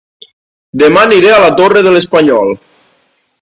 Dema aniré a La Torre de l'Espanyol